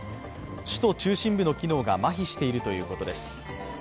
首都中心部の機能が麻痺しているということです。